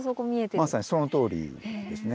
まさにそのとおりですね。